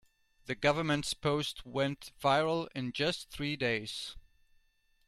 The government's post went viral in just three days.